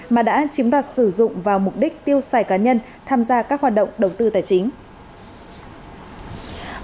mà đã chiếm đoạt sử dụng vào mục đích tiêu xài cá nhân tham gia các hoạt động đầu tư tài chính